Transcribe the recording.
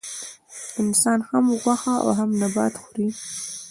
انسان هم غوښه او هم نباتات خوري